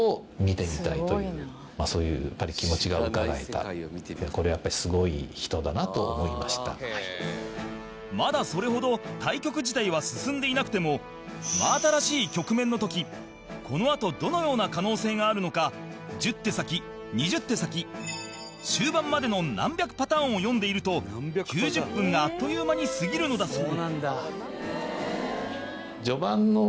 名人はここに彼の強さが見えたというまだ、それほど対局自体は進んでいなくても真新しい局面の時このあとどのような可能性があるのか１０手先、２０手先終盤までの何百パターンを読んでいると９０分があっという間に過ぎるのだそう